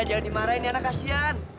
ya jangan dimarahin ya anak kasihan